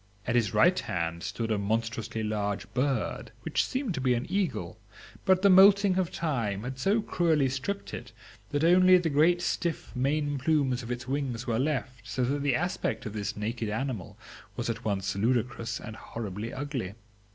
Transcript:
At his right hand stood a monstrously large bird, which seemed to be an eagle; but the moulting of time had so cruelly stripped it that only the great stiff main plumes of its wings were left, so that the aspect of this naked animal was at once ludicrous and horribly ugly.